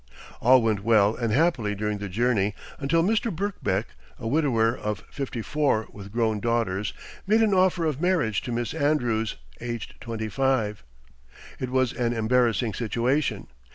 All went well and happily during the journey until Mr. Birkbeck, a widower of fifty four with grown daughters, made an offer of marriage to Miss Andrews, aged twenty five. It was an embarrassing situation.